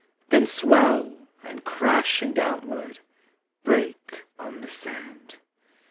Then swell, and, crashing downward, Break on the sand.